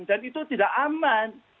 dan itu tidak aman